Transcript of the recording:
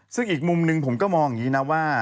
ซึ่งอีกมุมหนึ่งผมก็มองอย่างนี้นะว่า